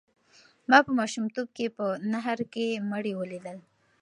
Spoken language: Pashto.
ما په ماشومتوب کې په نهر کې مړي ولیدل.